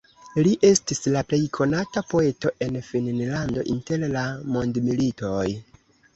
Li estis la plej konata poeto en Finnlando inter la mondmilitoj.